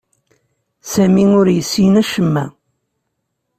Sami ur yessin acemma.